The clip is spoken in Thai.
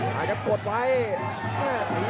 แล้วก็กดไว้